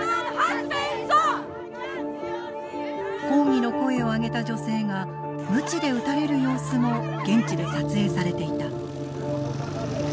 抗議の声を上げた女性がムチで打たれる様子も現地で撮影されていた。